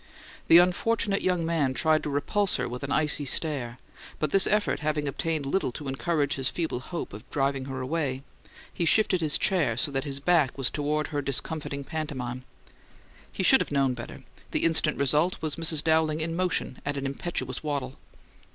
The unfortunate young man tried to repulse her with an icy stare, but this effort having obtained little to encourage his feeble hope of driving her away, he shifted his chair so that his back was toward her discomfiting pantomime. He should have known better, the instant result was Mrs. Dowling in motion at an impetuous waddle.